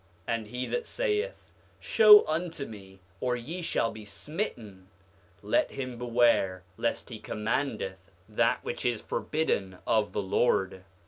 8:18 And he that saith: Show unto me, or ye shall be smitten—let him beware lest he commandeth that which is forbidden of the Lord.